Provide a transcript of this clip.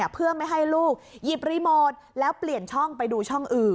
เพื่อไม่ให้ลูกหยิบรีโมทแล้วเปลี่ยนช่องไปดูช่องอื่น